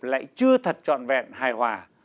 lại chưa thật trọn vẹn hài hòa